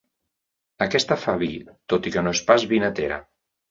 Aquesta fa vi, tot i que no és pas vinatera.